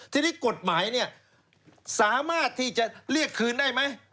ทีนี้กฎหมายเนี่ยสามารถที่จะเรียกคืนได้ไหม